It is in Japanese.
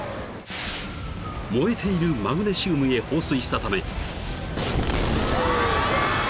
［燃えているマグネシウムへ放水したため］